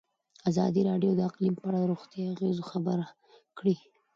ازادي راډیو د اقلیم په اړه د روغتیایي اغېزو خبره کړې.